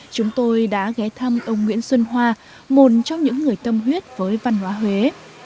chúng tôi đã ghé thăm ông nguyễn xuân hoa một trong những người tâm huyết với văn hóa huế